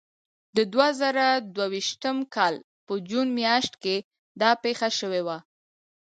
د دوه زره دوه ویشتم کال په جون میاشت کې دا پېښه شوې وه.